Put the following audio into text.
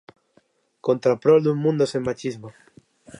Contra a prol dun mundo sen machismo.